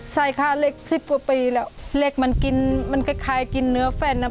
ใช่ค่ะเล็กสิบกว่าปีแล้วเล็กมันกินมันคล้ายกินเนื้อแฟนนะ